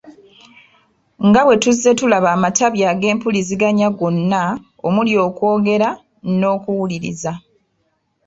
Nga bwe tuzze tulaba amatabi g’empuliziganya gonna, omuli okwogera n’okuwuliriza.